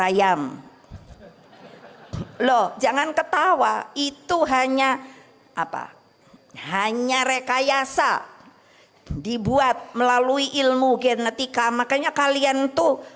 ayam loh jangan ketawa itu hanya apa hanya rekayasa dibuat melalui ilmu genetika makanya kalian tuh